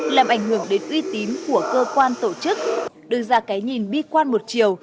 làm ảnh hưởng đến uy tín của cơ quan tổ chức đưa ra cái nhìn bi quan một chiều